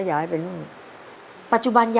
คุณยายแจ้วเลือกตอบจังหวัดนครราชสีมานะครับ